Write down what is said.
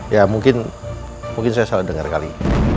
ya mungkin mungkin saya salah dengar kali